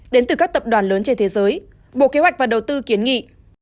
đến từ các tập đoàn lớn trên thế giới bộ kế hoạch và đầu tư kiến nghị